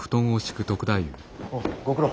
おご苦労。